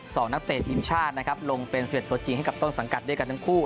นักเตะทีมชาตินะครับลงเป็น๑๑ตัวจริงให้กับต้นสังกัดด้วยกันทั้งคู่